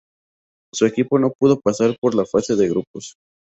Su equipo no pudo pasar de la fase de grupos.